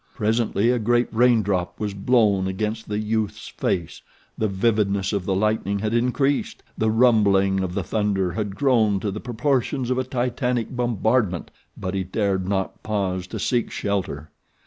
Presently a great rain drop was blown against the youth's face; the vividness of the lightning had increased; the rumbling of the thunder had grown to the proportions of a titanic bombardment; but he dared not pause to seek shelter.